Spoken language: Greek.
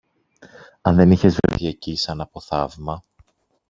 Αν δεν είχες βρεθεί εκεί, σαν από θαύμα